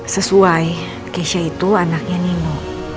sesuai keisha itu anaknya nino